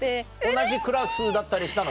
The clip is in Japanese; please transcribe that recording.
同じクラスだったりしたの？